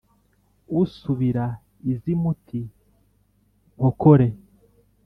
usubira iz'i muti-nkokore,